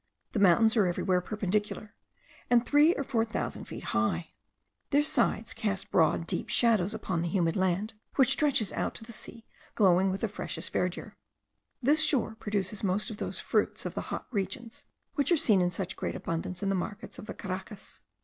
The mountains are everywhere perpendicular, and three or four thousand feet high; their sides cast broad and deep shadows upon the humid land, which stretches out to the sea, glowing with the freshest verdure. This shore produces most of those fruits of the hot regions, which are seen in such great abundance in the markets of the Caracas.